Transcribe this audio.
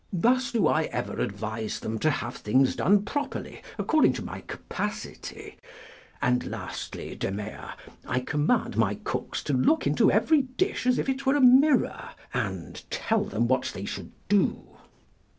Thus do I ever advise them to have things done properly, according to my capacity; and lastly, Demea, I command my cooks to look into every dish as if it were a mirror, and tell them what they should do."